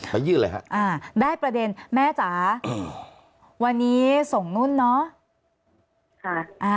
ไปยื่นเลยค่ะอ่าแรกประเด็นแม่จ๋าวันนี้ส่งนู้นเนอะค่ะ